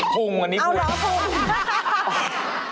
พุ่งอันนี้คือเอาเหรอพุ่ง